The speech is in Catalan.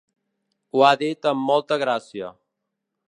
Ho ha dit amb molta gràcia.